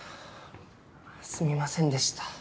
すみませんでした。